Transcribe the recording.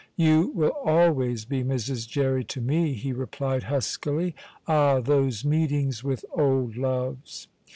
"You will always be Mrs. Jerry to me," he replied huskily. Ah, those meetings with old loves!